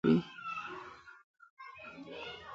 مرکب صفت مانا روښانه کوي.